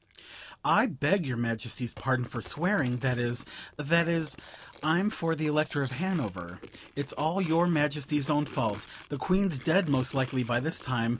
I beg your Majesty's pardon for swearing; that is that is I'm for the Elector of Hanover. It's all your Majesty's own fault. The Queen's dead most likely by this time.